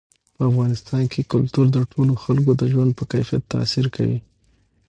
په افغانستان کې کلتور د ټولو خلکو د ژوند په کیفیت تاثیر کوي.